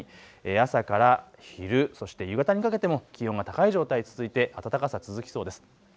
朝から昼、そして夕方にかけても気温が高い状態続いて暖かさ続きそうです。